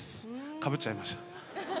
かぶっちゃいました。